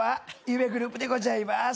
夢グループでございます。